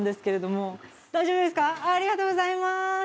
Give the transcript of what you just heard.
ありがとうございます。